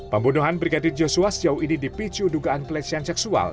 pembunuhan brigadir joshua sejauh ini dipicu dugaan pelecehan seksual